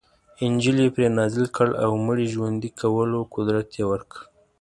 انجیل یې پرې نازل کړ او مړي ژوندي کولو قدرت یې ورکړ.